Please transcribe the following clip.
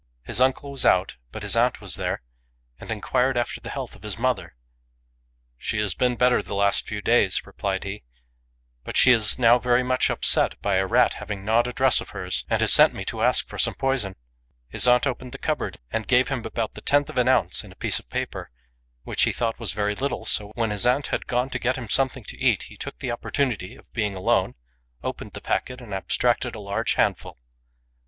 His uncle was out, but his aunt was there, and inquired after the health of his mother. " She has been better the last few days," replied he; "but she is now very much upset by a rat having gnawed a dress of hers, and has sent me to ask FROM A CHINESE STUDIO. 89 for some poison." His aunt opened the cupboard and gave him about the tenth of an ounce in a piece of paper, which he thought was very little; so, when his aunt had gone to get him something to eat, he took the opportunity of being alone, opened the packet, and ab stracted a large handful.